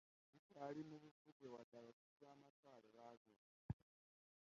tukyali mu bufuge wadde abafuzi b'amatwale baagenda.